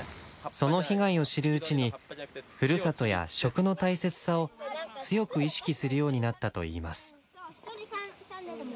その被害を知るうちに「ふるさと」や「食」の大切さを強く意識するようになったといいます。